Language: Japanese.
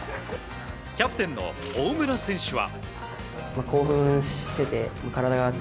キャプテンの大村選手は。